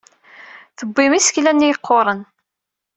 Tebbim isekla-nni yeqquren.